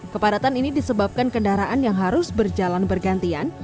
kepadatan ini disebabkan kendaraan yang harus berjalan bergantian